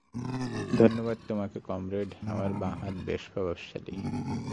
ধন্যবাদ তোমাকে, কমরেড, আমার বাঁ হাত বেশ প্রভাবশালী।